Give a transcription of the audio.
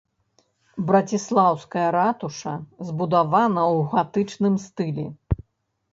Браціслаўская ратуша збудавана ў гатычным стылі.